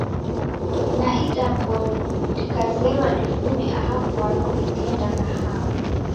Sa idakoni dikazerwa difume aha kwaro diendagha hao?